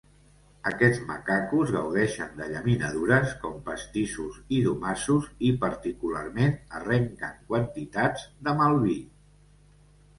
Aquests macacos gaudeixen de llaminadures, com pastissos i domassos, i particularment arrenquen quantitats de malví.